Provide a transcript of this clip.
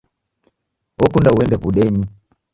Okunda uende w'udenyi!